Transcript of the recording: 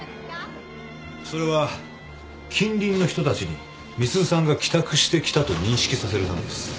それは近隣の人たちに美鈴さんが帰宅してきたと認識させるためです。